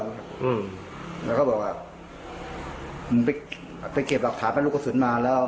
แล้วก็บอกว่ามึงไปเก็บหลักฐานเป็นลูกกระสุนมาแล้ว